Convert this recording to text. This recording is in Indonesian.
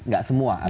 gak semua artinya